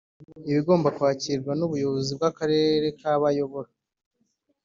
iba igomba kwakirwa n’ubuyobozi bw’akarere kabayobora.